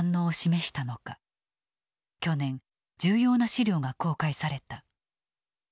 去年重要な資料が公開された。